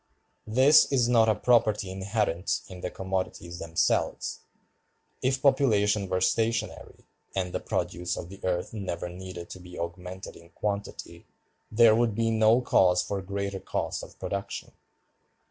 This is not a property inherent in the commodities themselves. If population were stationary, and the produce of the earth never needed to be augmented in quantity, there would be no cause for greater cost of production.